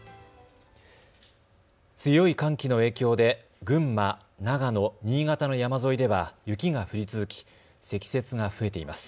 強い寒気の影響で群馬、長野、新潟の山沿いでは雪が降り続き積雪が増えています。